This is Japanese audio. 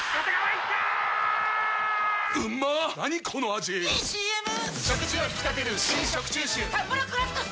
⁉いいＣＭ！！